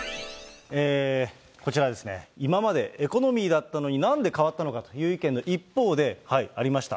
こちらですね、今までエコノミーだったのに、なんで変わったのかという意見の一方で、ありました。